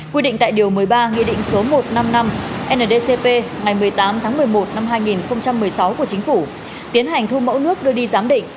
quy định tại điều một mươi ba nghị định số một trăm năm mươi năm ndcp ngày một mươi tám tháng một mươi một năm hai nghìn một mươi sáu của chính phủ tiến hành thu mẫu nước đưa đi giám định